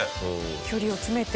距離を詰めて。